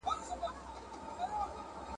آیا ضایع مو کړ که و مو پاللو.